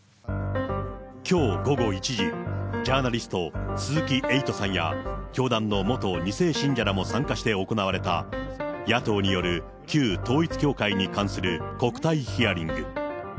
きょう午後１時、ジャーナリスト、鈴木エイトさんや、教団の元２世信者らも参加して行われた、野党による旧統一教会に関する国対ヒアリング。